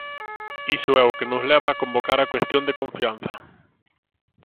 Iso é o que nos leva a convocar a cuestión de confianza.